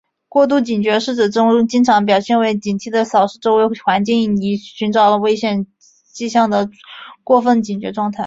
过度警觉是指经常表现为警惕地扫视周围环境以寻找危险迹象的过分警觉状态。